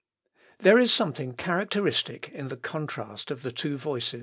There is something characteristic in the contrast of the two voices.